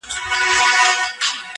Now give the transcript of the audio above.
درومم چي له ښاره روانـــــېـــږمــــه.